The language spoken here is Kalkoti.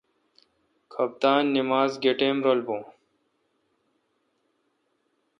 کھپتان اے نمز گہ ٹیم بون